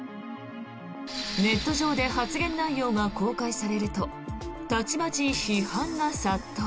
ネット上で発言内容が公開されるとたちまち批判が殺到。